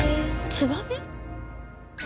ツバメ？